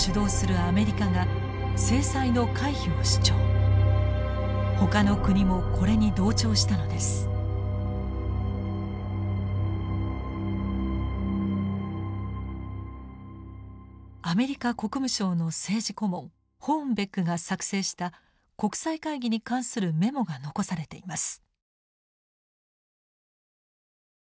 アメリカ国務省の政治顧問ホーンベックが作成した国際会議に関するメモが残されています。